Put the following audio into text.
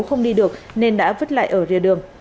không đi được nên đã vứt lại ở rìa đường